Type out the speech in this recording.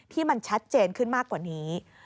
ที่มันชัดเจนขึ้นมากกว่านี้